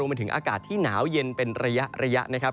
มาถึงอากาศที่หนาวเย็นเป็นระยะนะครับ